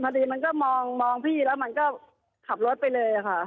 มันก็มองพี่แล้วมันก็ขับรถไปเลยค่ะ